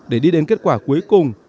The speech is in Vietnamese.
để đi đến kết quả cuối cùng